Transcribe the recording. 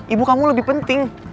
ibu kamu lebih penting